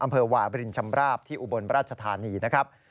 อำเภอวาบรินชำราบที่อุบลราชธานีนะครับ